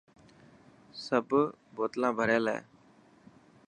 سب بوتلنا ڀريل هي.